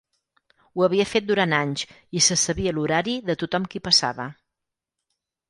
Ho havia fet durant anys i se sabia l'horari de tothom qui passava.